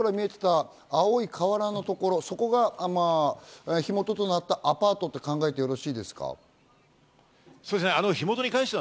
今、阿部さんのところから見えていた青い瓦のところ、そこが火元となったアパートと考えてよろしいですか？